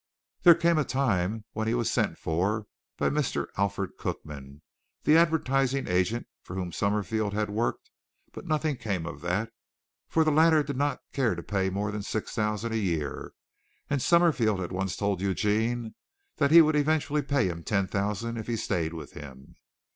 There came a time when he was sent for by Mr. Alfred Cookman, the advertising agent for whom Summerfield had worked; but nothing came of that, for the latter did not care to pay more than six thousand a year and Summerfield had once told Eugene that he would eventually pay him ten thousand if he stayed with him.